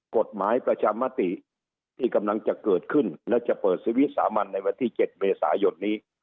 กฎหมายประชามติที่กำลังจะเกิดขึ้นแล้วจะเปิดศิวิตสามัญในวันที่เจ็ดเบสายดนี้